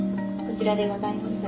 こちらでございます。